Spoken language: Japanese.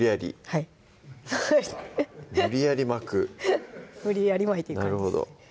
はい無理やり巻く無理やり巻いていく感じです